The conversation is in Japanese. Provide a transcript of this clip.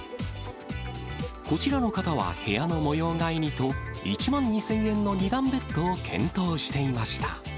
こちらの方は部屋の模様替えにと、１万２０００円の２段ベッドを検討していました。